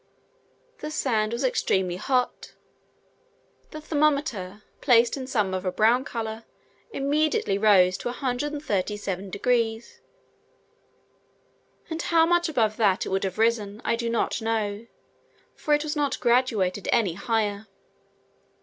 The sand was extremely hot; the thermometer placed in some of a brown colour immediately rose to 137 degs., and how much above that it would have risen, I do not know, for it was not graduated any higher.